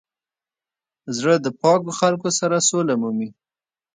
زړه د پاکو خلکو سره سوله مومي.